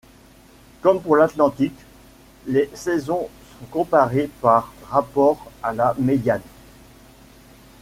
Comme pour l'Atlantique, les saisons sont comparées par rapport à la médiane.